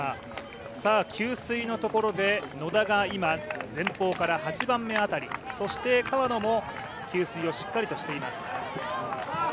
給水のところで、野田が今、前方から８番目辺りそして川野も給水をしっかりとしています。